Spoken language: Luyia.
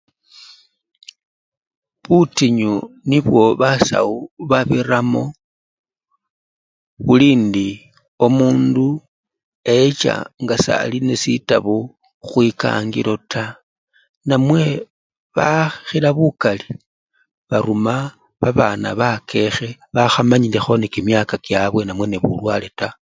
Butinyu nibwo basawu babiramo bulindi omundu echa nga sali nesitabo khwikangilo taa namwe bakhila bukali baruma babana bakekhe bakhamanyilekho nekimyaka kyabwe namwe bulwale taa.